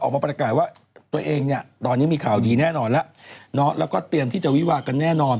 ออกมาประกาศว่าตัวเองเนี่ยตอนนี้มีข่าวดีแน่นอนแล้วแล้วก็เตรียมที่จะวิวากันแน่นอน